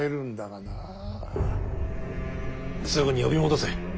すぐに呼び戻せ。